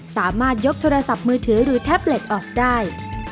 สามารถยกโทรศัพท์มือถือหรือแท็บเล็ตออกได้